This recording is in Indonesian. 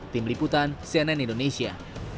tim liputan cnn indonesia